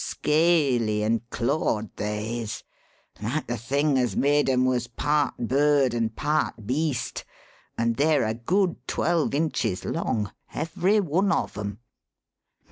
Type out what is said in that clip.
Scaly and clawed they is like the thing as made 'em was part bird and part beast and they're a good twelve inches long, every one of 'em."